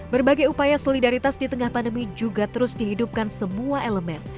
berbagai upaya solidaritas di tengah pandemi juga terus dihidupkan semua elemen